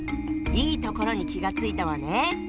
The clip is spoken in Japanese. いいところに気が付いたわね！